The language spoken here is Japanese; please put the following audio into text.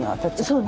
そう。